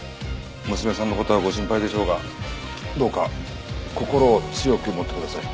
娘さんの事はご心配でしょうがどうか心を強く持ってください。